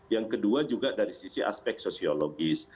yang kedua juga dari sisi aspek sosiologis